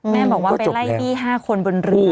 แม่บอกว่าเป็นไร่ที่ห้าคนบนเรือ